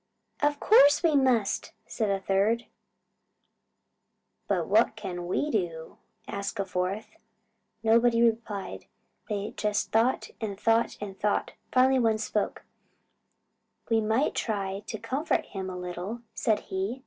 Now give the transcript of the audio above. "Of course we must," said a third. "But what can we do?" asked a fourth. Nobody replied. They just thought and thought and thought. Finally the first one spoke. "We might try to comfort him a little," said he.